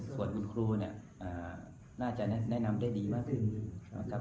ส่วนคุณครูเนี่ยน่าจะแนะนำได้ดีมากขึ้นนะครับ